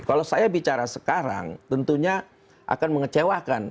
kalau saya bicara sekarang tentunya akan mengecewakan